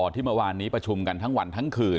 ที่เมื่อวานนี้ประชุมกันทั้งวันทั้งคืน